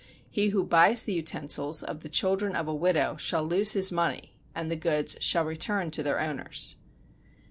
He who buys the utensils of the children of a widow shall lose his money, and the goods shall return to their owners.